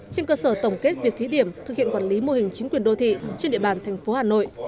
trên cơ sở tổng kết việc thí điểm thực hiện quản lý mô hình chính quyền đô thị trên địa bàn thành phố hà nội